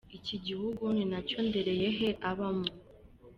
Iki gihugu ni nacyo Ndereyehe abamo.